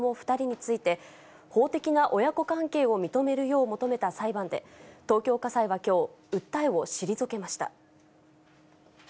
２人について、法的な親子関係を認めるよう求めた裁判で、東京家裁はきょう、訴えを退けました。